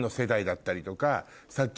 さっき。